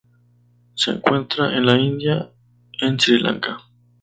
Se encuentra en la India y en Sri Lanka.